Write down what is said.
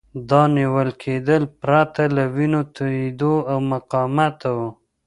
دا نیول کېدل پرته له وینو توېیدو او مقاومته وو.